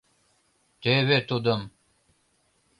Тӧвӧ тудым...